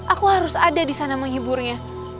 aku harus ada disana menghiburnya